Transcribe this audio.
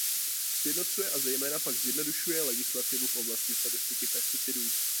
Sjednocuje a zejména pak zjednodušuje legislativu v oblasti statistiky pesticidů.